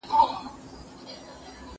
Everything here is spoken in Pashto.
زه مخکي تمرين کړي وو؟!